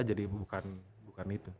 jadi bukan itu